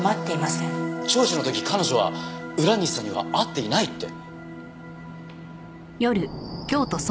聴取の時彼女は浦西さんには会っていないって。